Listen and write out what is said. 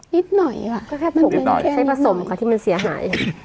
นิดหน่อยอ่ะนิดหน่อยใช้ผสมค่ะที่มันเสียหาย